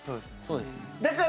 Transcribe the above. そうですね。